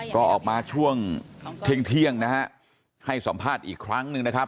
ก็ออกมาจากช่วงเท่างนะแหละให้สามต้านอีกครั้งหนึ่งนะครับ